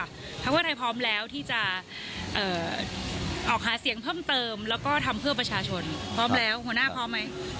พักเพื่อไทยพร้อมแล้วที่จะออกหาเสียงเพิ่มเติมแล้วก็ทำเพื่อประชาชนพร้อมแล้วหัวหน้าพร้อมไหม